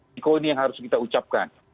riko ini yang harus kita ucapkan